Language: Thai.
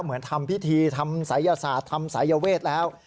เหมือนทำพิธีทำศัยศาสตร์ทำศัยเวทแล้ว